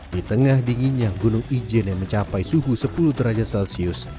di tengah dinginnya gunung ijen yang mencapai suhu sepuluh derajat celcius